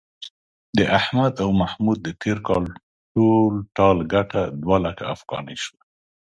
د احمد او محمود د تېر کال ټول ټال گټه دوه لکه افغانۍ شوه.